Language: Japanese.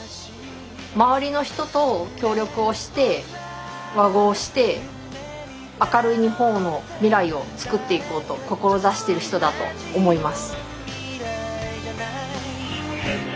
周りの人と協力をして和合して明るい日本の未来をつくっていこうと志してる人だと思います。